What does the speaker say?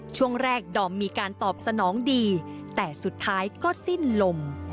ช่วงแรกดอมมีการตอบสนองดีแต่สุดท้ายก็สิ้นลม